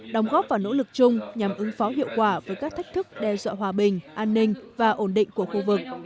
đóng góp và nỗ lực chung nhằm ứng phó hiệu quả với các thách thức đe dọa hòa bình an ninh và ổn định của khu vực